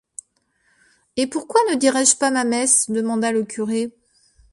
Et pourquoi ne dirais-je pas ma messe? demanda le curé.